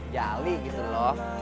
jali gitu loh